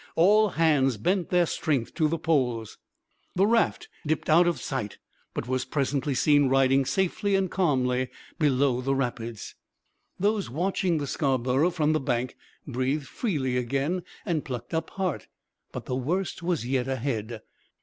All hands bent their strength to the poles. The raft dipped out of sight, but was presently seen riding safely and calmly below the rapids. Those watching the Scarborough from the bank breathed freely again and plucked up heart; but the worst was yet ahead.